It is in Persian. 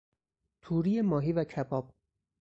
توری ماهی و کباب